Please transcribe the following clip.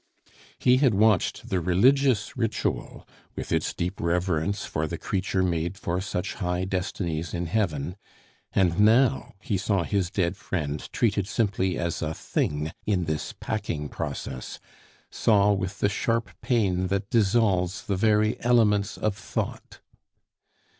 He had watched the religious ritual with its deep reverence for the creature made for such high destinies in heaven; and now he saw his dead friend treated simply as a thing in this packing process saw with the sharp pain that dissolves the very elements of thought.